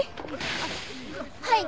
あっはい。